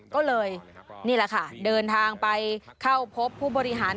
ก็เลยนี่แหละค่ะเดินทางไปเข้าพบผู้บริหาร